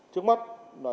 trước mắt là chúng tôi là